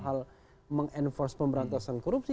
hal meng enforce pemberantasan korupsi